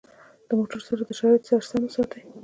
د موټرو سرعت د شرایطو سره سم وساتئ.